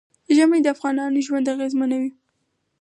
ژمی د افغانانو ژوند اغېزمن کوي.